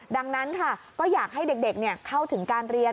ดังนั้นค่ะก็อยากให้เด็กเข้าถึงการเรียน